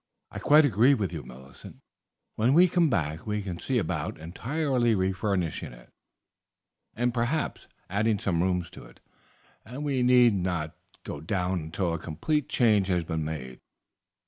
"I quite agree with you, Millicent. When we come back we can see about entirely refurnishing it, and, perhaps, adding some rooms to it, and we need not go down until a complete change has been made.